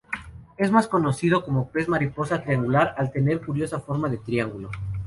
Es más conocido como pez mariposa triangular, al tener curiosa forma de triángulo.